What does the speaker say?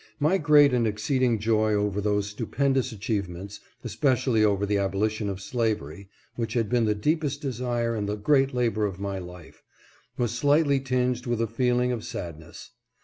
My great and exceeding joy over these stupendous achievements, especially over the abolition of slavery {which had been the deepest desire and the great labor of my life), was slightly tinged with a feeling of sadness.